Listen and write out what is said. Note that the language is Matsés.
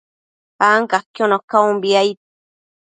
ancaquiono caumbi, aid